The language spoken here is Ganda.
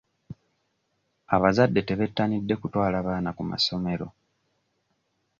Abazadde tebettanidde kutwala baana ku masomero.